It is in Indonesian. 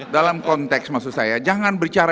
dalam konteks maksud saya jangan bicara